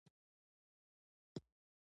هدف یې همدومره کلک او موثر دی.